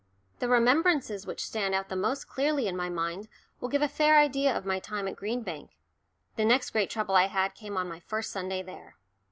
The remembrances which stand out the most clearly in my mind will give a fair idea of my time at Green Bank. The next great trouble I had came on my first Sunday there.